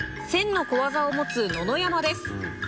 １０００の小技を持つ野々山です」